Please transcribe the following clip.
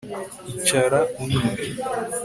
Icara unywe